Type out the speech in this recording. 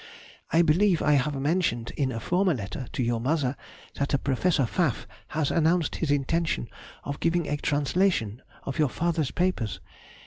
I believe I have mentioned in a former letter to your mother that a Professor Pfaff has announced his intention of giving a translation of your father's papers.